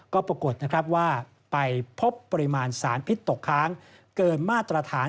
ก็ปรากฏนะครับว่าไปพบปริมาณสารพิษตกค้างเกินมาตรฐาน